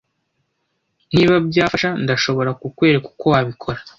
Niba byafasha, ndashobora kukwereka uko wabikora.